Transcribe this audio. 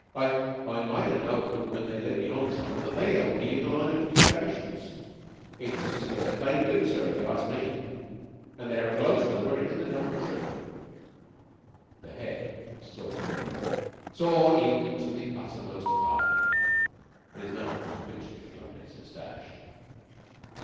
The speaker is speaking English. I I might ha' known when they led me on so that they 'eld the inner line of communications. It's it's a plain do, sir, if you ask me; an' they're gloatin' over it in the dormitory." The Head saw saw even to the uttermost farthing and his mouth twitched a little under his mustache.